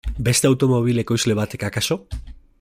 Beste automobil ekoizle batek akaso?